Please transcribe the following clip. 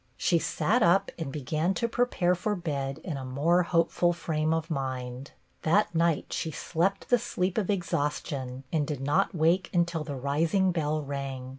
She sat up and began to prepare for bed in a more hope ful frame of mind. That night she slept the sleep of exhaustion and did not wake until the rising bell rang.